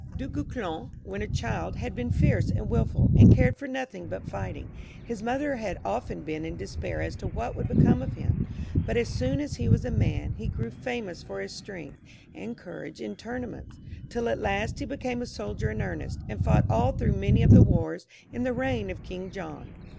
Du Guesclin, when a child, had been fierce and wilful, and cared for nothing but fighting ; his mother had often been in despair as to what would become of him, but as soon as he was a man, he grew famous for his strength and courage in tournaments, till at last he became a soldier in earnest, and fought all through many of the wars in the reign of King John.